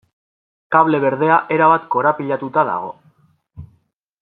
Kable berdea erabat korapilatuta dago.